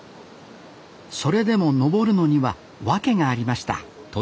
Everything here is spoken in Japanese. それでも登るのには訳がありました。